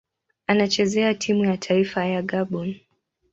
Anachezea timu ya taifa ya Gabon.